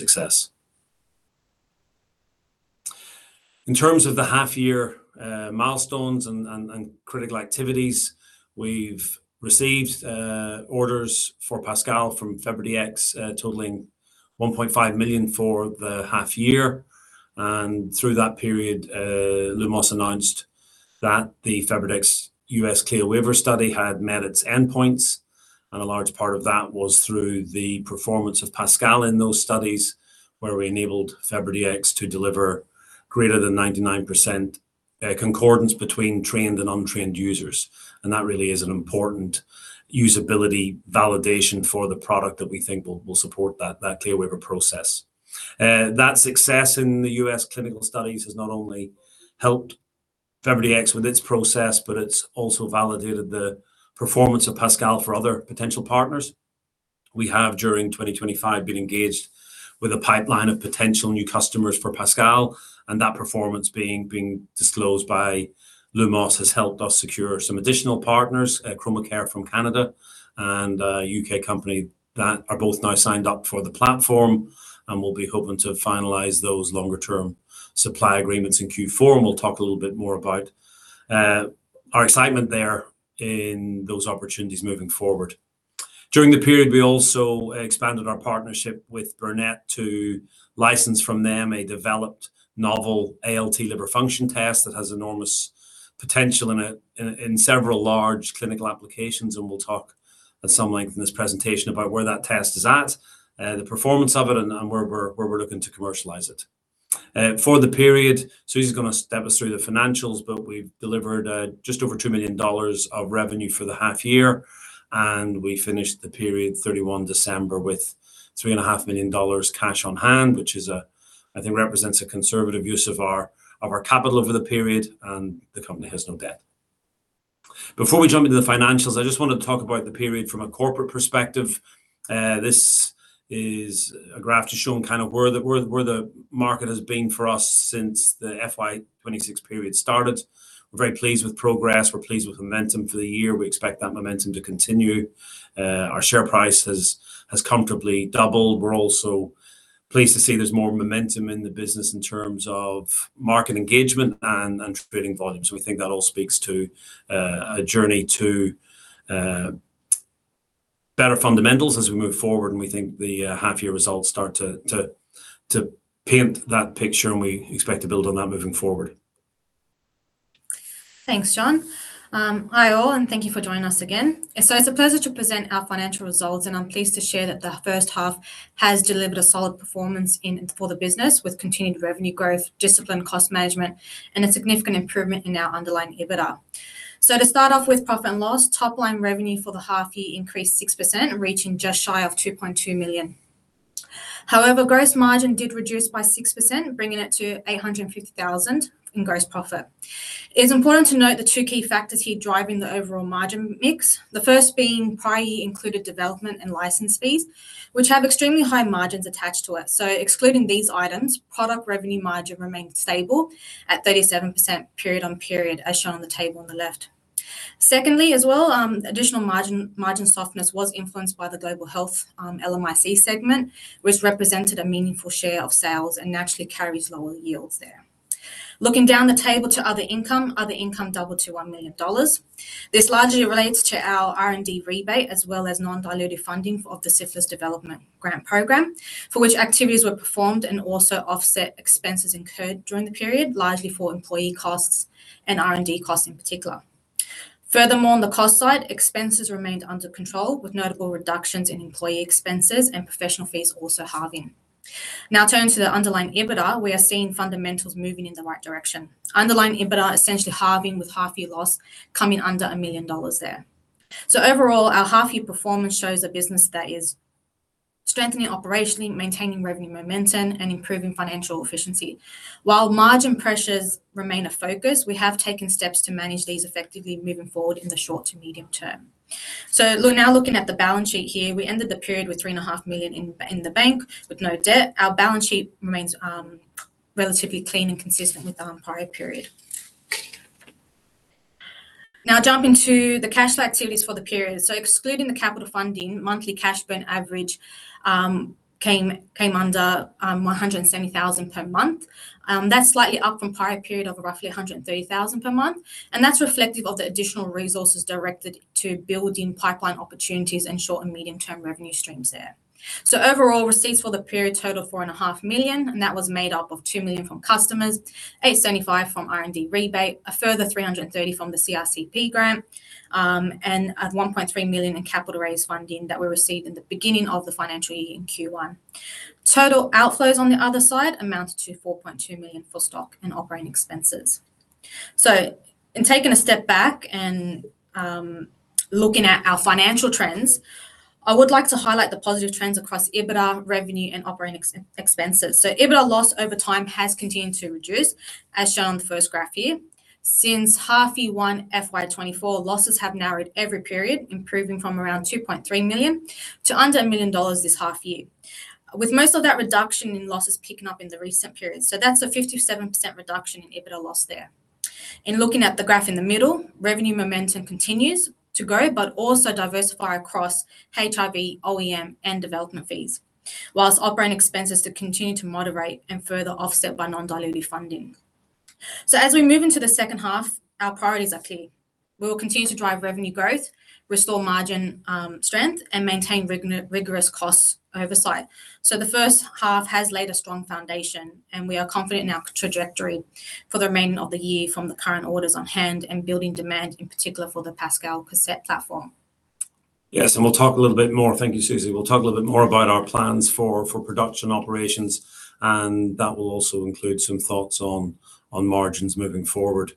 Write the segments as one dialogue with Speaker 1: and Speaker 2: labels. Speaker 1: and success. In terms of the half-year, milestones and critical activities, we've received orders for Pascal from FebriDx, totaling 1.5 million for the half year. Through that period, Lumos announced that the FebriDx U.S. CLIA waiver study had met its endpoints, and a large part of that was through the performance of Pascal in those studies, where we enabled FebriDx to deliver greater than 99% concordance between trained and untrained users. That really is an important usability validation for the product that we think will support that CLIA waiver process. That success in the U.S. clinical studies has not only helped FebriDx with its process, but it's also validated the performance of Pascal for other potential partners. We have, during 2025, been engaged with a pipeline of potential new customers for Pascal, and that performance being disclosed by Lumos has helped us secure some additional partners, Chromacare from Canada and a U.K. company, that are both now signed up for the platform. We'll be hoping to finalize those longer-term supply agreements in Q4, and we'll talk a little bit more about our excitement there in those opportunities moving forward. During the period, we also expanded our partnership with Burnet to license from them a developed novel ALT Liver Function Test that has enormous potential in several large clinical applications. We'll talk at some length in this presentation about where that test is at, the performance of it, and where we're looking to commercialize it. For the period, Suzy's gonna step us through the financials. We've delivered just over 2 million dollars of revenue for the half year. We finished the period 31 December with 3.5 million dollars cash on hand, which I think represents a conservative use of our, of our capital over the period. The company has no debt. Before we jump into the financials, I just want to talk about the period from a corporate perspective. This is a graph just showing kind of where the market has been for us since the FY 2026 period started. We're very pleased with progress. We're pleased with momentum for the year. We expect that momentum to continue. Our share price has comfortably doubled. We're also pleased to see there's more momentum in the business in terms of market engagement and trading volumes. We think that all speaks to a journey to better fundamentals as we move forward, and we think the half year results start to paint that picture. We expect to build on that moving forward.
Speaker 2: Thanks, John. Hi, all, and thank you for joining us again. It's a pleasure to present our financial results, and I'm pleased to share that the first half has delivered a solid performance for the business, with continued revenue growth, disciplined cost management, and a significant improvement in our underlying EBITDA. To start off with profit and loss, top-line revenue for the half year increased 6%, reaching just shy of 2.2 million. However, gross margin did reduce by 6%, bringing it to 850,000 in gross profit. It's important to note the two key factors here driving the overall margin mix. The first being prior year included development and license fees, which have extremely high margins attached to it. Excluding these items, product revenue margin remained stable at 37% period on period, as shown on the table on the left. Additional margin softness was influenced by the global health LMIC segment, which represented a meaningful share of sales and naturally carries lower yields there. Looking down the table to other income, other income doubled to 1 million dollars. This largely relates to our R&D rebate, as well as non-dilutive funding of the Syphilis Development Grant Program, for which activities were performed and also offset expenses incurred during the period, largely for employee costs and R&D costs in particular. On the cost side, expenses remained under control, with notable reductions in employee expenses and professional fees also halving. Turning to the underlying EBITDA, we are seeing fundamentals moving in the right direction. Underlying EBITDA essentially halving, with half-year loss coming under 1 million dollars there. Overall, our half-year performance shows a business that is strengthening operationally, maintaining revenue momentum, and improving financial efficiency. While margin pressures remain a focus, we have taken steps to manage these effectively moving forward in the short to medium term. Now looking at the balance sheet here, we ended the period with 3.5 million in the bank, with no debt. Our balance sheet remains relatively clean and consistent with the prior period. Jumping to the cash flow activities for the period. Excluding the capital funding, monthly cash burn average came under 170,000 per month. That's slightly up from prior period of roughly 130,000 per month, and that's reflective of the additional resources directed to building pipeline opportunities and short and medium-term revenue streams there. Overall, receipts for the period total 4.5 million, and that was made up of 2 million from customers, 875,000 from R&D rebate, a further 330,000 from the CRC-P grant, and 1.3 million in capital raise funding that we received in the beginning of the financial year in Q1. Total outflows on the other side amounted to 4.2 million for stock and operating expenses. In taking a step back and looking at our financial trends, I would like to highlight the positive trends across EBITDA, revenue, and operating expenses. EBITDA loss over time has continued to reduce, as shown on the first graph here. Since half year one, FY 2024, losses have narrowed every period, improving from around 2.3 million to under 1 million dollars this half year, with most of that reduction in losses picking up in the recent period. That's a 57% reduction in EBITDA loss there. In looking at the graph in the middle, revenue momentum continues to grow, but also diversify across HIV, OEM, and development fees, whilst operating expenses to continue to moderate and further offset by non-dilutive funding. As we move into the second half, our priorities are clear. We will continue to drive revenue growth, restore margin strength, and maintain rigorous cost oversight. The first half has laid a strong foundation, and we are confident in our trajectory for the remainder of the year from the current orders on hand and building demand, in particular, for the Pascal cassette platform.
Speaker 1: Yes. We'll talk a little bit more. Thank you, Suzy. We'll talk a little bit more about our plans for production operations, and that will also include some thoughts on margins moving forward.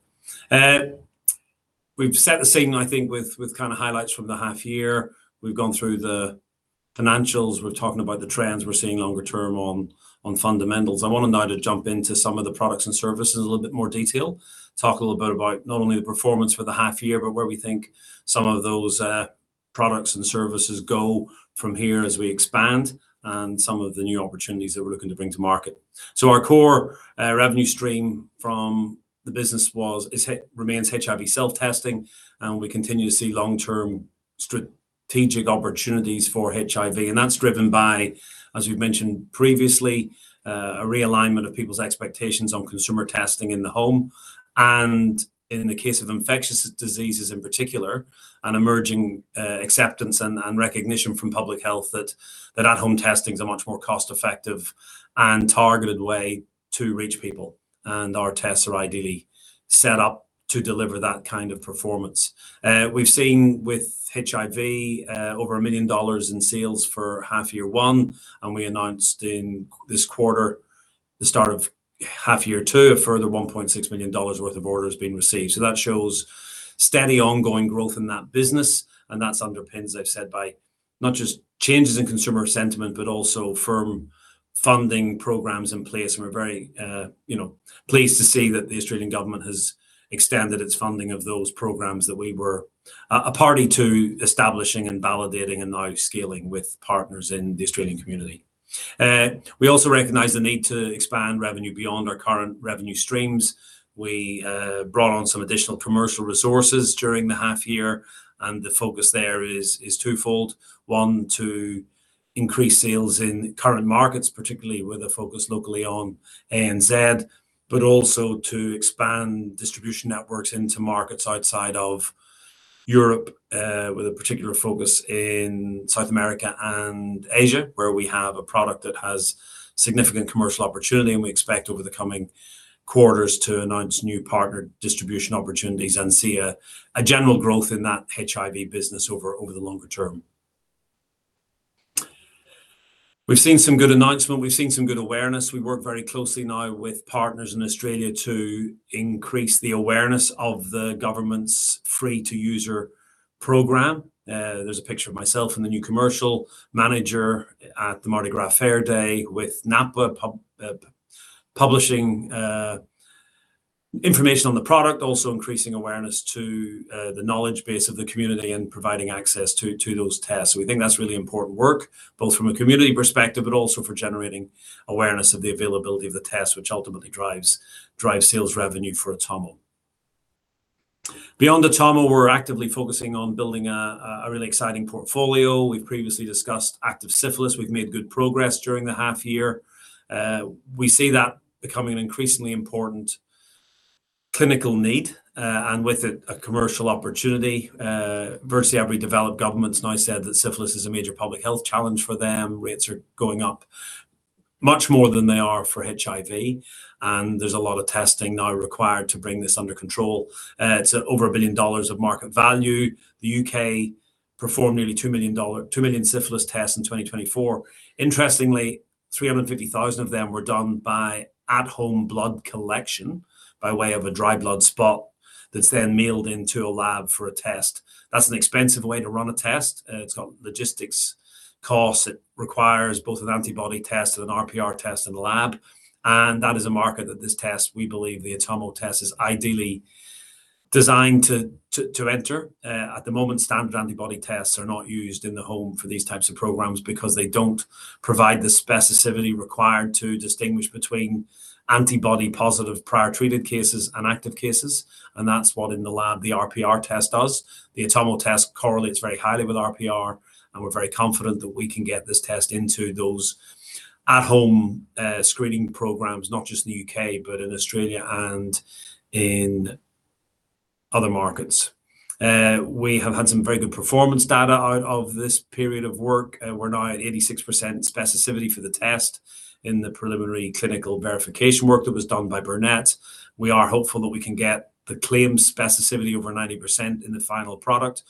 Speaker 1: We've set the scene, I think, with kind of highlights from the half year. We've gone through the financials. We're talking about the trends we're seeing longer term on fundamentals. I want to now to jump into some of the products and services in a little bit more detail. Talk a little bit about not only the performance for the half year, but where we think some of those products and services go from here as we expand and some of the new opportunities that we're looking to bring to market. Our core revenue stream from the business remains HIV self-testing. We continue to see long-term strategic opportunities for HIV. That's driven by, as we've mentioned previously, a realignment of people's expectations on consumer testing in the home, and in the case of infectious diseases in particular, an emerging acceptance and recognition from public health that at-home testing is a much more cost-effective and targeted way to reach people. Our tests are ideally set up to deliver that kind of performance. We've seen with HIV over 1 million dollars in sales for half year one. We announced in this quarter, the start of half year two, a further 1.6 million dollars worth of orders being received. That shows steady, ongoing growth in that business, and that's underpins, as I've said, by not just changes in consumer sentiment, but also firm funding programs in place. We're very, you know, pleased to see that the Australian Government has extended its funding of those programs that we were a party to establishing and validating and now scaling with partners in the Australian community. We also recognize the need to expand revenue beyond our current revenue streams. We brought on some additional commercial resources during the half year, and the focus there is twofold: one, to increase sales in current markets, particularly with a focus locally on ANZ, but also to expand distribution networks into markets outside of Europe, with a particular focus in South America and Asia, where we have a product that has significant commercial opportunity. We expect over the coming quarters to announce new partner distribution opportunities and see a general growth in that HIV business over the longer term. We've seen some good announcements. We've seen some good awareness. We work very closely now with partners in Australia to increase the awareness of the government's free-to-user program. There's a picture of myself and the new commercial manager at the Mardi Gras Fair Day with NAPWHA publishing information on the product, also increasing awareness to the knowledge base of the community and providing access to those tests. We think that's really important work, both from a community perspective, but also for generating awareness of the availability of the test, which ultimately drives sales revenue for Atomo. Beyond Atomo, we're actively focusing on building a really exciting portfolio. We've previously discussed active syphilis. We've made good progress during the half year. We see that becoming an increasingly important clinical need, and with it, a commercial opportunity. Virtually every developed government has now said that syphilis is a major public health challenge for them. Rates are going up much more than they are for HIV, and there's a lot of testing now required to bring this under control. It's over $1 billion of market value. The U.K. performed nearly 2 million syphilis tests in 2024. Interestingly, 350,000 of them were done by at-home blood collection by way of a dried blood spot that's then mailed into a lab for a test. That's an expensive way to run a test. It's got logistics costs. It requires both an antibody test and an RPR test in the lab, and that is a market that this test, we believe the Atomo test, is ideally designed to enter. At the moment, standard antibody tests are not used in the home for these types of programs because they don't provide the specificity required to distinguish between antibody positive, prior treated cases and active cases, and that's what in the lab, the RPR test does. The Atomo test correlates very highly with RPR, and we're very confident that we can get this test into those at-home screening programs, not just in the U.K., but in Australia and in other markets. We have had some very good performance data out of this period of work. We're now at 86% specificity for the test in the preliminary clinical verification work that was done by Burnet. We are hopeful that we can get the claimed specificity over 90% in the final product.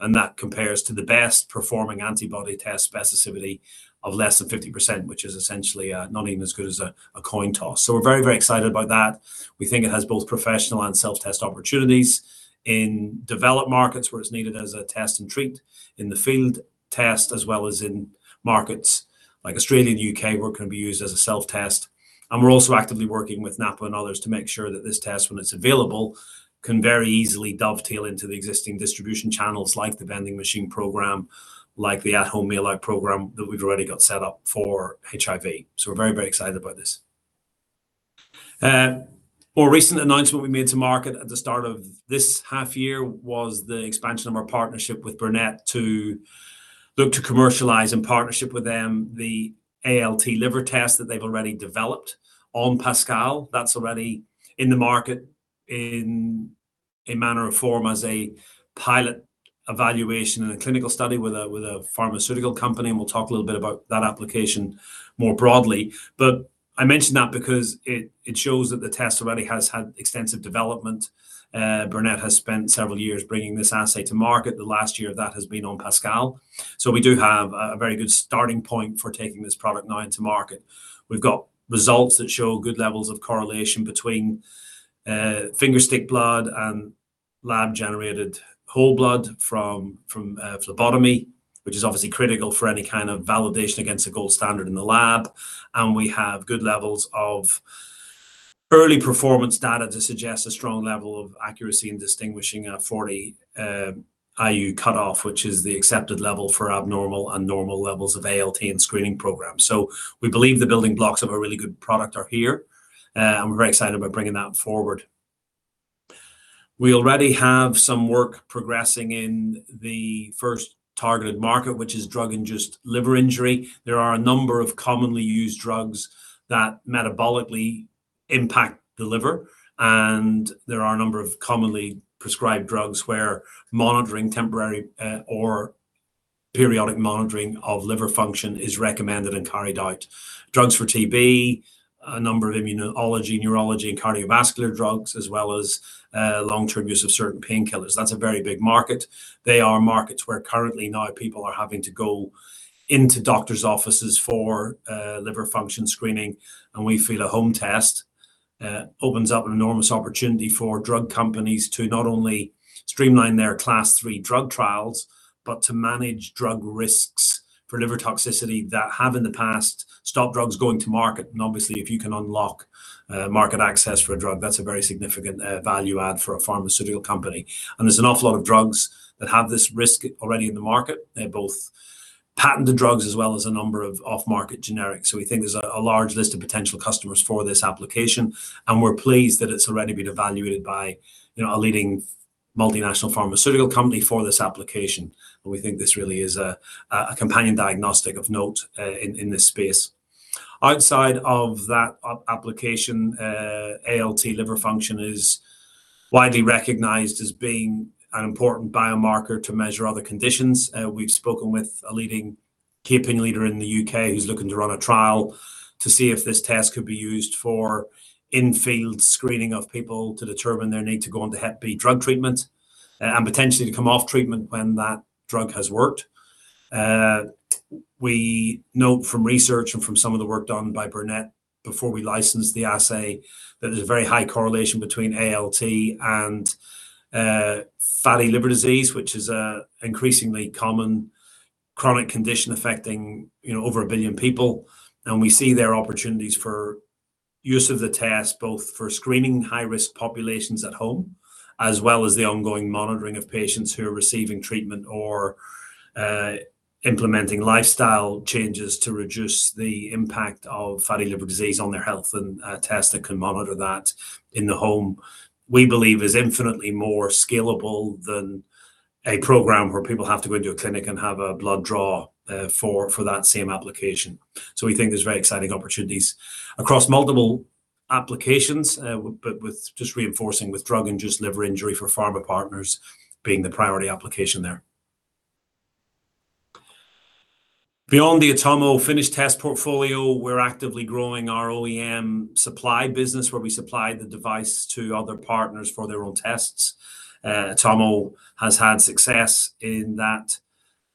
Speaker 1: That compares to the best performing antibody test specificity of less than 50%, which is essentially not even as good as a coin toss. We're very, very excited about that. We think it has both professional and self-test opportunities in developed markets where it's needed as a test and treat in the field test, as well as in markets like Australia and the U.K., where it can be used as a self-test. We're also actively working with NAPWHA and others to make sure that this test, when it's available, can very easily dovetail into the existing distribution channels, like the vending machine program, like the at-home mail out program that we've already got set up for HIV. We're very, very excited about this. More recent announcement we made to market at the start of this half year was the expansion of our partnership with Burnet to look to commercialize, in partnership with them, the ALT Liver test that they've already developed on Pascal. That's already in the market in a manner or form as a pilot evaluation in a clinical study with a pharmaceutical company, and we'll talk a little bit about that application more broadly. I mention that because it shows that the test already has had extensive development. Burnet has spent several years bringing this assay to market. The last year of that has been on Pascal. We do have a very good starting point for taking this product now into market. We've got results that show good levels of correlation between fingerstick blood and lab-generated whole blood from phlebotomy, which is obviously critical for any kind of validation against the gold standard in the lab. We have good levels of early performance data to suggest a strong level of accuracy in distinguishing a 40 IU cutoff, which is the accepted level for abnormal and normal levels of ALT in screening programs. We believe the building blocks of a really good product are here, and we're very excited about bringing that forward. We already have some work progressing in the first targeted market, which is drug-induced liver injury. There are a number of commonly used drugs that metabolically impact the liver, and there are a number of commonly prescribed drugs where monitoring temporary, or periodic monitoring of liver function is recommended and carried out. Drugs for TB, a number of immunology, neurology, and cardiovascular drugs, as well as long-term use of certain painkillers. That's a very big market. They are markets where currently now people are having to go into doctor's offices for liver function screening, and we feel a home test opens up an enormous opportunity for drug companies to not only streamline their Class III drug trials, but to manage drug risks for liver toxicity that have, in the past, stopped drugs going to market. Obviously, if you can unlock market access for a drug, that's a very significant value add for a pharmaceutical company. There's an awful lot of drugs that have this risk already in the market. They're both patented drugs as well as a number of off-market generics. We think there's a large list of potential customers for this application, and we're pleased that it's already been evaluated by, you know, a leading multinational pharmaceutical company for this application. We think this really is a companion diagnostic of note in this space. Outside of that application, ALT liver function is widely recognized as being an important biomarker to measure other conditions. We've spoken with a leading, key opinion leader in the U.K. who's looking to run a trial to see if this test could be used for in-field screening of people to determine their need to go onto hep B drug treatment, and potentially to come off treatment when that drug has worked. We know from research and from some of the work done by Burnet before we licensed the assay, that there's a very high correlation between ALT and fatty liver disease, which is a increasingly common chronic condition affecting, you know, over a billion people. We see there are opportunities for use of the test, both for screening high-risk populations at home, as well as the ongoing monitoring of patients who are receiving treatment or implementing lifestyle changes to reduce the impact of fatty liver disease on their health. A test that can monitor that in the home, we believe is infinitely more scalable than a program where people have to go into a clinic and have a blood draw for that same application. We think there's very exciting opportunities across multiple applications, but with just reinforcing with drug-induced liver injury for pharma partners being the priority application there. Beyond the Atomo finished test portfolio, we're actively growing our OEM supply business, where we supply the device to other partners for their own tests. Atomo has had success in that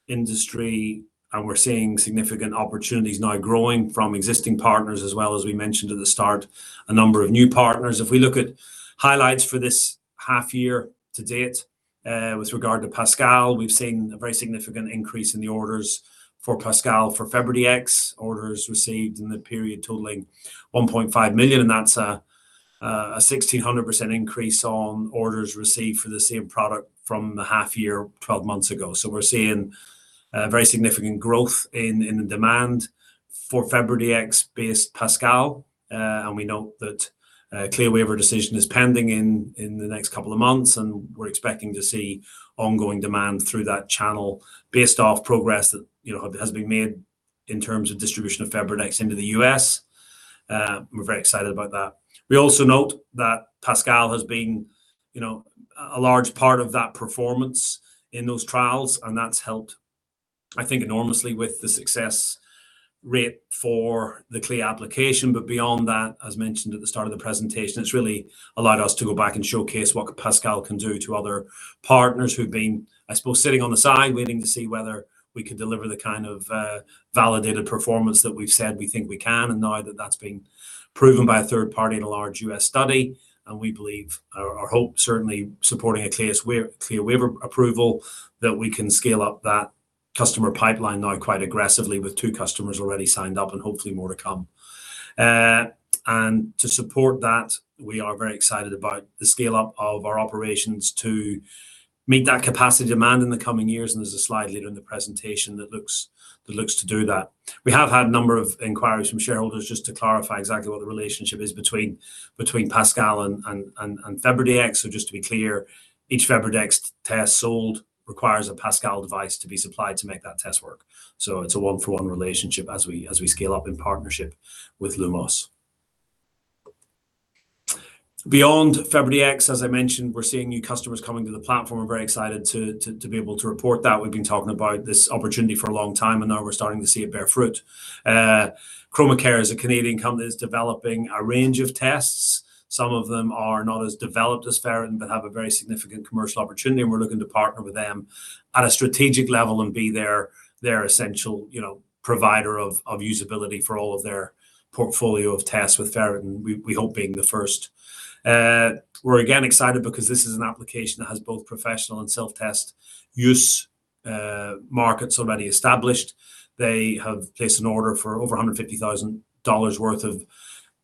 Speaker 1: industry, and we're seeing significant opportunities now growing from existing partners as well as we mentioned at the start, a number of new partners. We look at highlights for this half year to date, with regard to Pascal, we've seen a very significant increase in the orders for Pascal, for FebriDx. Orders received in the period totaling $1.5 million, that's a 1,600% increase on orders received for the same product from the half year, 12 months ago. We're seeing very significant growth in the demand for FebriDx-based Pascal. We note that a CLIA waiver decision is pending in the next couple of months, and we're expecting to see ongoing demand through that channel based off progress that, you know, has been made in terms of distribution of FebriDx into the U.S. We're very excited about that. We also note that Pascal has been, you know, a large part of that performance in those trials, and that's helped, I think, enormously with the success rate for the CLIA application. Beyond that, as mentioned at the start of the presentation, it's really allowed us to go back and showcase what Pascal can do to other partners who've been, I suppose, sitting on the side, waiting to see whether we could deliver the kind of validated performance that we've said we think we can. Now that that's been proven by a third party in a large U.S. study, and we believe, or hope, certainly supporting a clear CLIA waiver approval, that we can scale up that customer pipeline now quite aggressively with two customers already signed up and hopefully more to come. To support that, we are very excited about the scale-up of our operations to meet that capacity demand in the coming years, and there's a slide later in the presentation that looks, that looks to do that. We have had a number of inquiries from shareholders just to clarify exactly what the relationship is between Pascal and FebriDx. Just to be clear, each FebriDx test sold requires a Pascal device to be supplied to make that test work. It's a one-for-one relationship as we scale up in partnership with Lumos. Beyond FebriDx, as I mentioned, we're seeing new customers coming to the platform. We're very excited to be able to report that. We've been talking about this opportunity for a long time, now we're starting to see it bear fruit. Chromacare is a Canadian company that's developing a range of tests. Some of them are not as developed as ferritin but have a very significant commercial opportunity, and we're looking to partner with them at a strategic level and be their essential, you know, provider of usability for all of their portfolio of tests, with ferritin we hope being the first. We're again excited because this is an application that has both professional and self-test use markets already established. They have placed an order for over 150,000 dollars worth of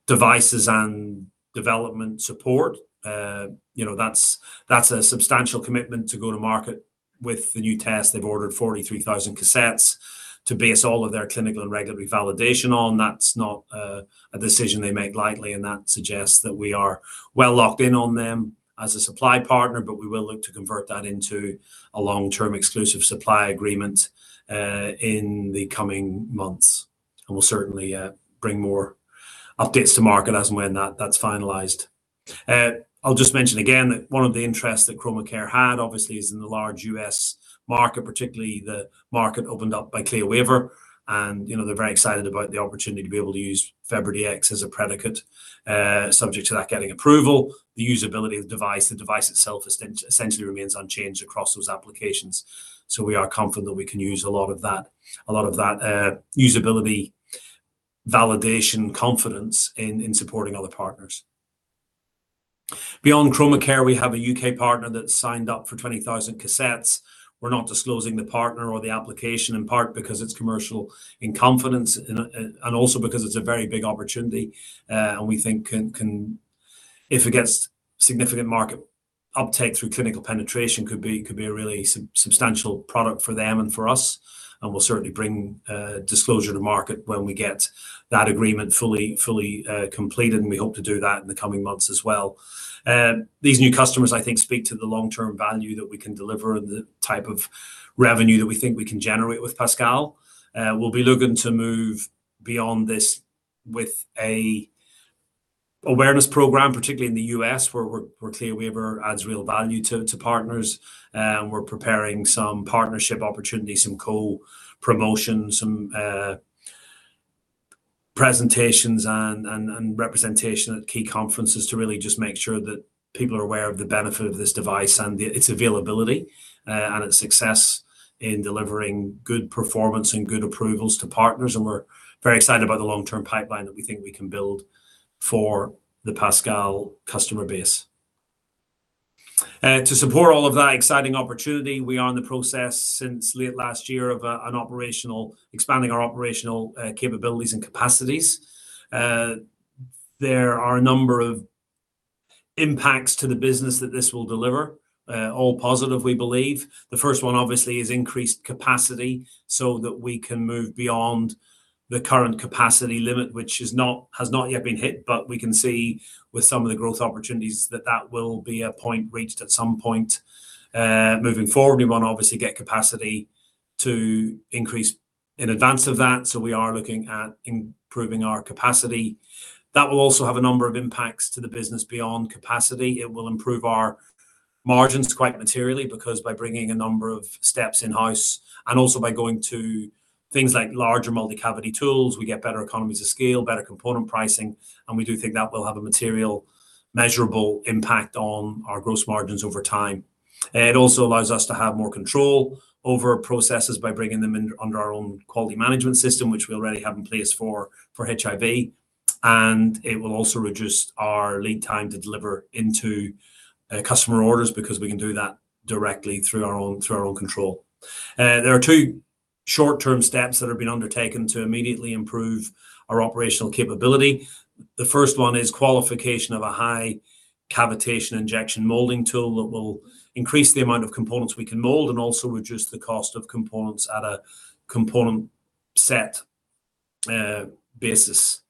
Speaker 1: devices and development support. You know, that's a substantial commitment to go to market with the new test. They've ordered 43,000 cassettes to base all of their clinical and regulatory validation on. That's not a decision they make lightly, and that suggests that we are well locked in on them as a supply partner. We will look to convert that into a long-term exclusive supply agreement, in the coming months, and we'll certainly bring more updates to market as and when that's finalized. I'll just mention again that one of the interests that Chromacare had obviously is in the large US market, particularly the market opened up by CLIA waiver. You know, they're very excited about the opportunity to be able to use FebriDx as a predicate. Subject to that getting approval, the usability of the device, the device itself essentially remains unchanged across those applications. We are confident that we can use a lot of that usability, validation, confidence in supporting other partners. Beyond Chromacare, we have a U.K. partner that's signed up for 20,000 cassettes. We're not disclosing the partner or the application, in part because it's commercial in confidence and also because it's a very big opportunity, and we think if it gets significant market uptake through clinical penetration, could be a really substantial product for them and for us. We'll certainly bring disclosure to market when we get that agreement fully completed, and we hope to do that in the coming months as well. These new customers, I think, speak to the long-term value that we can deliver and the type of revenue that we think we can generate with Pascal. We'll be looking to move beyond this with a awareness program, particularly in the U.S., where CLIA waiver adds real value to partners. We're preparing some partnership opportunities, some co-promotions, some presentations, and representation at key conferences to really just make sure that people are aware of the benefit of this device and its availability and its success in delivering good performance and good approvals to partners. We're very excited about the long-term pipeline that we think we can build for the Pascal customer base. To support all of that exciting opportunity, we are in the process, since late last year, of expanding our operational capabilities and capacities. There are a number of impacts to the business that this will deliver all positive, we believe. The first one, obviously, is increased capacity so that we can move beyond the current capacity limit, which has not yet been hit. We can see with some of the growth opportunities that that will be a point reached at some point. Moving forward, we want to obviously get capacity to increase in advance of that, so we are looking at improving our capacity. That will also have a number of impacts to the business beyond capacity. It will improve our margins quite materially because by bringing a number of steps in-house and also by going to things like larger multi-cavity tools, we get better economies of scale, better component pricing, and we do think that will have a material measurable impact on our gross margins over time. It also allows us to have more control over processes by bringing them in under our own quality management system, which we already have in place for HIV. It will also reduce our lead time to deliver into customer orders because we can do that directly through our own control. There are two short-term steps that have been undertaken to immediately improve our operational capability. The first one is qualification of a high cavitation injection molding tool that will increase the amount of components we can mold and also reduce the cost of components at a component set basis.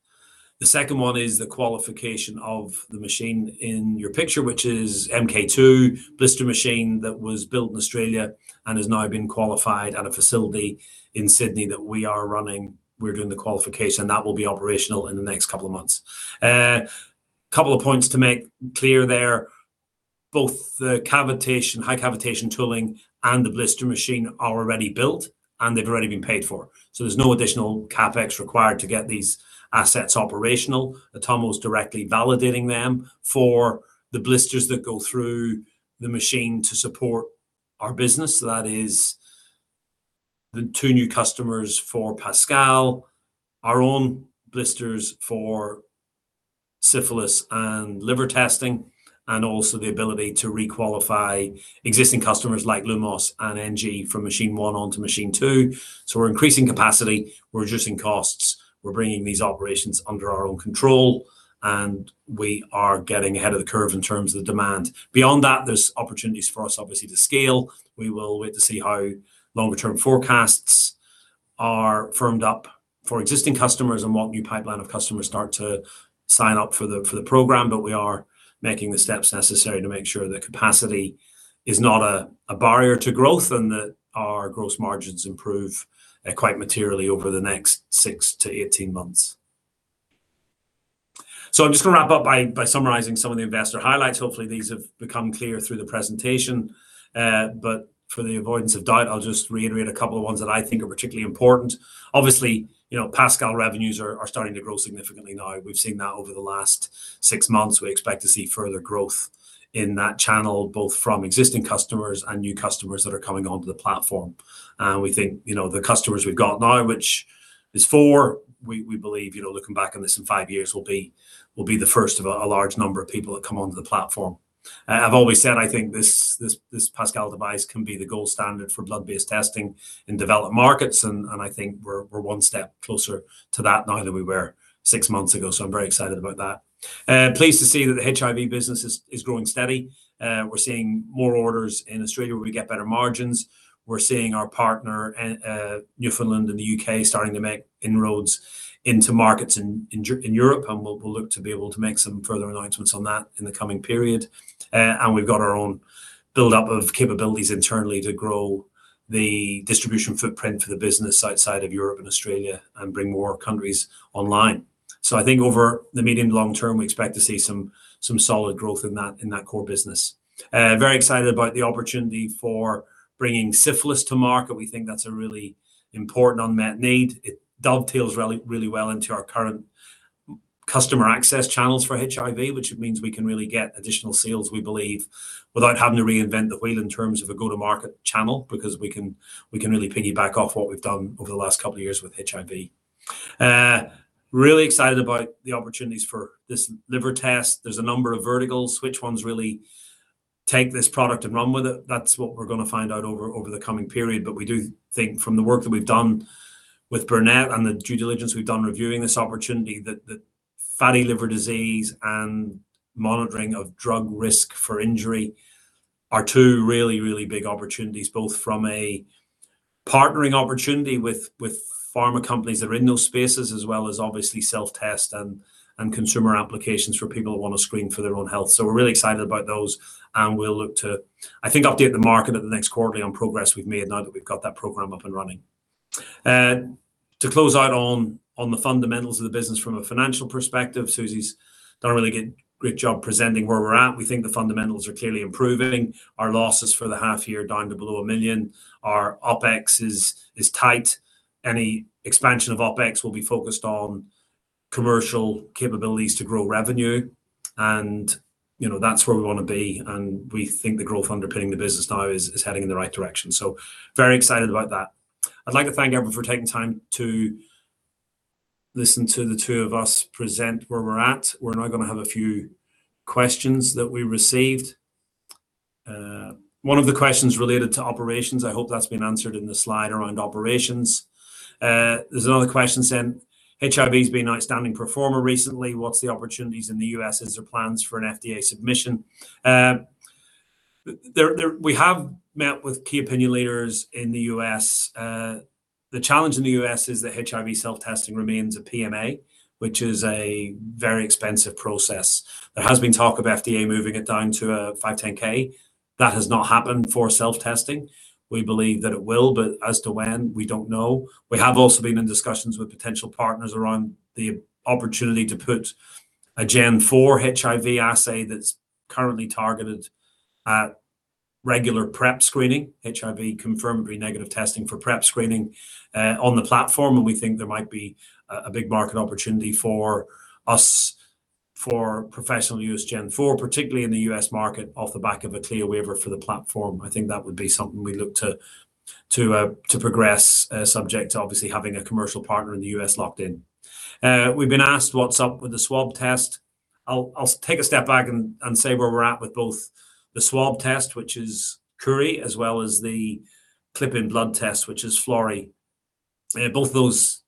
Speaker 1: The second one is the qualification of the machine in your picture, which is Blister Machine-mk2 that was built in Australia and has now been qualified at a facility in Sydney that we are running. We're doing the qualification, and that will be operational in the next couple of months. Couple of points to make clear there. Both the cavitation, high cavitation tooling and the Blister Machine are already built, and they've already been paid for. There's no additional CapEx required to get these assets operational. Atomo's directly validating them for the blisters that go through the machine to support our business. That is the 2 new customers for Pascal, our own blisters for syphilis and liver testing, and also the ability to requalify existing customers like Lumos and NG from machine 1 onto machine 2. We're increasing capacity, we're reducing costs, we're bringing these operations under our own control, and we are getting ahead of the curve in terms of the demand. Beyond that, there's opportunities for us obviously to scale. We will wait to see how longer-term forecasts are firmed up for existing customers and what new pipeline of customers start to sign up for the, for the program. We are making the steps necessary to make sure that capacity is not a barrier to growth and that our gross margins improve quite materially over the next 6-18 months. I'm just gonna wrap up by summarizing some of the investor highlights. Hopefully, these have become clear through the presentation. For the avoidance of doubt, I'll just reiterate a couple of ones that I think are particularly important. Obviously, you know, Pascal revenues are starting to grow significantly now. We've seen that over the last 6 months. We expect to see further growth in that channel, both from existing customers and new customers that are coming onto the platform. We think, you know, the customers we've got now, which is 4, we believe, you know, looking back on this in 5 years, will be the first of a large number of people that come onto the platform. I've always said I think this Pascal device can be the gold standard for blood-based testing in developed markets, and I think we're one step closer to that now than we were 6 months ago, so I'm very excited about that. Pleased to see that the HIV business is growing steady. We're seeing more orders in Australia, where we get better margins. We're seeing our partner, Newfoundland Diagnostics in the U.K., starting to make inroads into markets in Europe, and we'll look to be able to make some further announcements on that in the coming period. We've got our own buildup of capabilities internally to grow the distribution footprint for the business outside of Europe and Australia and bring more countries online. I think over the medium to long term, we expect to see some solid growth in that core business. Very excited about the opportunity for bringing syphilis to market. We think that's a really important unmet need. It dovetails really, really well into our current customer access channels for HIV, which means we can really get additional sales, we believe, without having to reinvent the wheel in terms of a go-to-market channel, because we can really piggyback off what we've done over the last couple of years with HIV. Really excited about the opportunities for this liver test. There's a number of verticals. Which ones really take this product and run with it? That's what we're gonna find out over the coming period. We do think from the work that we've done with Burnet and the due diligence we've done reviewing this opportunity, that fatty liver disease and monitoring of drug risk for injury are two really, really big opportunities, both from a partnering opportunity with pharma companies that are in those spaces, as well as obviously self-test and consumer applications for people who want to screen for their own health. We're really excited about those, and we'll look to, I think, update the market at the next quarterly on progress we've made now that we've got that program up and running. To close out on the fundamentals of the business from a financial perspective, Suzy's done a really good, great job presenting where we're at. We think the fundamentals are clearly improving. Our losses for the half year are down to below 1 million. Our OpEx is tight. Any expansion of OpEx will be focused on commercial capabilities to grow revenue, and, you know, that's where we want to be, and we think the growth underpinning the business now is heading in the right direction. Very excited about that. I'd like to thank everyone for taking time to listen to the two of us present where we're at. We're now gonna have a few questions that we received. One of the questions related to operations, I hope that's been answered in the slide around operations. There's another question saying: "HIV has been an outstanding performer recently. What's the opportunities in the U.S.? Is there plans for an FDA submission?" We have met with key opinion leaders in the U.S. The challenge in the U.S. is that HIV self-testing remains a PMA, which is a very expensive process. There has been talk of FDA moving it down to a 510(k). That has not happened for self-testing. We believe that it will, but as to when, we don't know. We have also been in discussions with potential partners around the opportunity to put a Gen 4 HIV assay that's currently targeted at regular PrEP screening, HIV confirmative negative testing for PrEP screening, on the platform, and we think there might be a big market opportunity for us for professional use Gen 4, particularly in the U.S. market, off the back of a CLIA waiver for the platform. I think that would be something we look to progress subject to obviously having a commercial partner in the U.S. locked in. We've been asked: "What's up with the swab test?" I'll take a step back and say where we're at with both the swab test, which is Curie, as well as the clip in blood test, which is Florey. Both those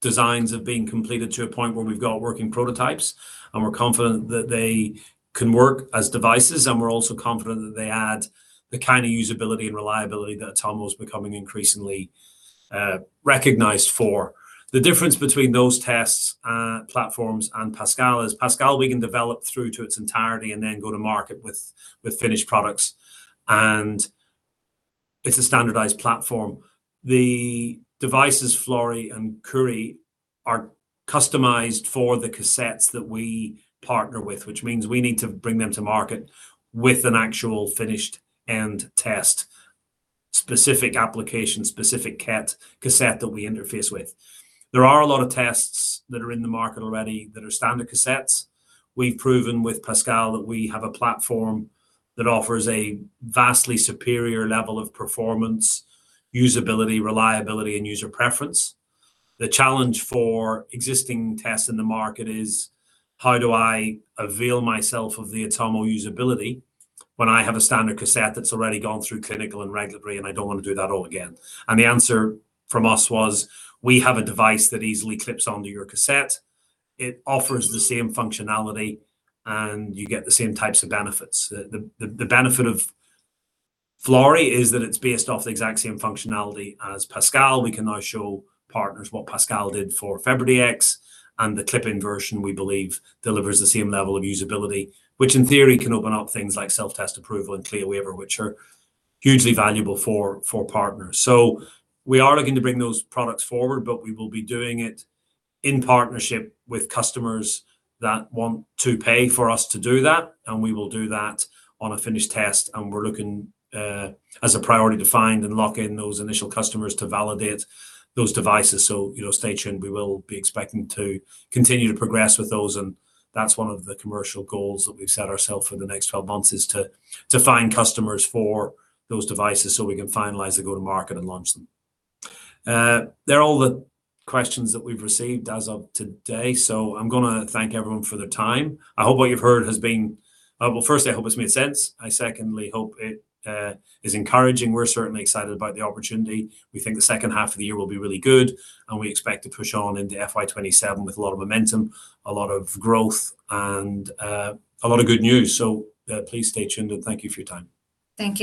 Speaker 1: designs have been completed to a point where we've got working prototypes, and we're confident that they can work as devices, and we're also confident that they add the kind of usability and reliability that Atomo is becoming increasingly recognized for. The difference between those tests, platforms and Pascal is Pascal we can develop through to its entirety and then go to market with finished products, and it's a standardized platform. The devices, Florey and Curie, are customized for the cassettes that we partner with, which means we need to bring them to market with an actual finished end test, specific application, specific cassette that we interface with. There are a lot of tests that are in the market already that are standard cassettes. We've proven with Pascal that we have a platform that offers a vastly superior level of performance, usability, reliability, and user preference. The challenge for existing tests in the market is, how do I avail myself of the Atomo usability when I have a standard cassette that's already gone through clinical and regulatory, and I don't want to do that all again? The answer from us was, we have a device that easily clips onto your cassette. It offers the same functionality, and you get the same types of benefits. The benefit of Florey is that it's based off the exact same functionality as Pascal. We can now show partners what Pascal did for FebriDx, and the clip-in version, we believe, delivers the same level of usability, which in theory can open up things like self-test approval and CLIA waiver, which are hugely valuable for partners. We are looking to bring those products forward, but we will be doing it in partnership with customers that want to pay for us to do that, and we will do that on a finished test, and we're looking as a priority to find and lock in those initial customers to validate those devices. You know, stay tuned. We will be expecting to continue to progress with those. That's one of the commercial goals that we've set ourselves for the next 12 months is to find customers for those devices so we can finalize the go-to-market and launch them. They're all the questions that we've received as of today. I'm gonna thank everyone for their time. I hope what you've heard has been. Well, firstly, I hope it's made sense. I secondly hope it is encouraging. We're certainly excited about the opportunity. We think the second half of the year will be really good, and we expect to push on into FY 2027 with a lot of momentum, a lot of growth, and a lot of good news. Please stay tuned, and thank you for your time.
Speaker 2: Thank you all.